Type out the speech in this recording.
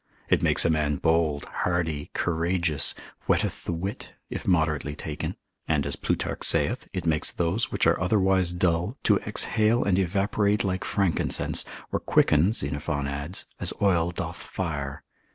It makes a man bold, hardy, courageous, whetteth the wit, if moderately taken, (and as Plutarch saith, Symp. 7. quaest. 12.) it makes those which are otherwise dull, to exhale and evaporate like frankincense, or quicken (Xenophon adds) as oil doth fire.